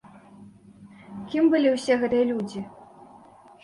Кім былі ўсе гэтыя людзі?